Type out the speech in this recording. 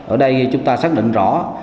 ở đây chúng ta xác định rõ